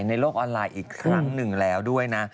ในโลกออนไลน์อีกครั้งหนึ่งแล้วด้วยนะ